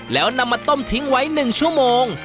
แล้วนำมาต้มทิ้งไว้๑ชั่วโมง